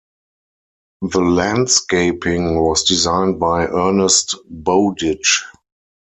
The landscaping was designed by Ernest Bowditch.